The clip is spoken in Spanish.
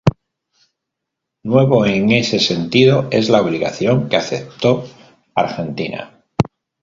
Nuevo en ese sentido es la obligación que aceptó Argentina:.